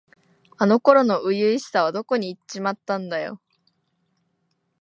あの頃の初々しさはどこにいっちまったんだよ。